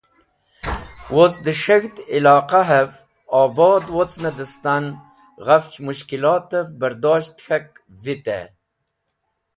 Woz de S̃heg̃hd Iloqahev Obod wocne distan ghafch mushkilotvev bardosht k̃hak vitey.